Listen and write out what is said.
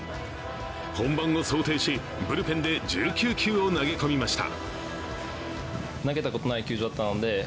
本番を想定しブルペンで１９球を投げ込みました。